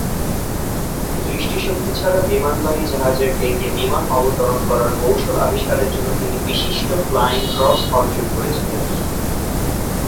দৃষ্টিশক্তি ছাড়া বিমানবাহী জাহাজের ডেকে বিমান অবতরণ করার কৌশল আবিস্কারের জন্য তিনি বিশিষ্ট ফ্লাইং ক্রস অর্জন করেছিলেন।